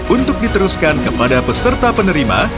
untuk diteruskan kepada peserta penerima